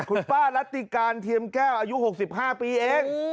คุณป้ารัติการเทียมแก้วอายุ๖๕ปีเอง